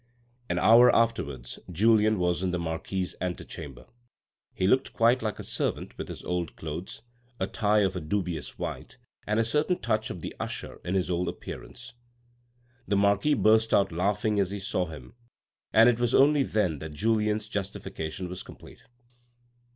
An hour afterwards Julien was in the marquis's ante chamber. He looked quite like a servant with his old clothes, a tie of a dubious white, and a certain touch of the usher in his whole appearance. The marquis burst out laughing as he saw him, and it was only then that Julien's justification was complete.